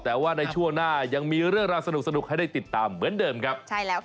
แต่ว่าในช่วงหน้ายังมีเรื่องราวสนุกให้ได้ติดตามเหมือนเดิมครับใช่แล้วค่ะ